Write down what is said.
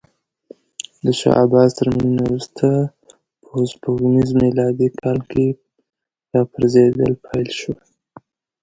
د شاه عباس تر مړینې وروسته په سپوږمیز میلادي کال کې راپرزېدل پیل شول.